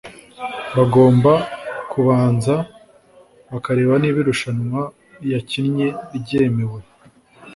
bagomba kubanza bakareba niba irushanwa yakinnye ryemewe